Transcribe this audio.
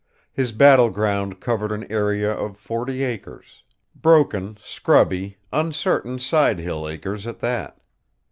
His battleground covered an area of forty acres broken, scrubby, uncertain side hill acres, at that.